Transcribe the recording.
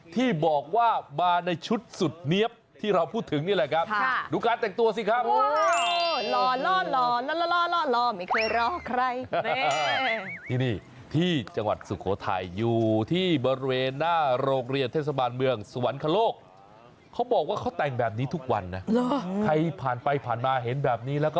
ที่บอกว่ามาในชุดสุดเนี๊ยบที่เราพูดถึงนี่แหละครับ